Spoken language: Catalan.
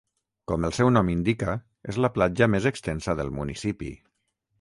Com el seu nom indica, és la platja més extensa del municipi.